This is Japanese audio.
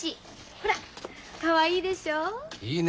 ほらかわいいでしょ？いいね。